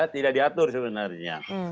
tidak diatur sebenarnya